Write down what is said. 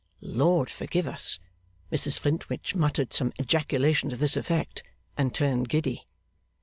Lord forgive us! Mrs Flintwinch muttered some ejaculation to this effect, and turned giddy.